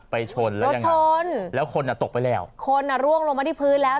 ชนแล้วยังไงชนแล้วคนอ่ะตกไปแล้วคนอ่ะร่วงลงมาที่พื้นแล้ว